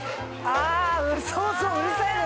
そうそううるさいのよ。